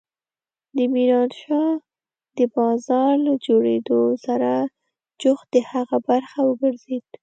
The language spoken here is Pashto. د ميرانشاه د بازار له جوړېدو سره جوخت د هغه برخه وګرځېد.